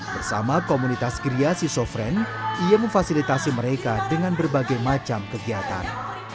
bersama komunitas kreasi sofren ia memfasilitasi mereka dengan berbagai macam kegiatan